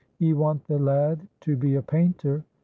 Ye want the lad to be a painter.